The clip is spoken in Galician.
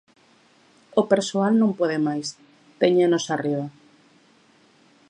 O persoal non pode máis, téñenos arriba.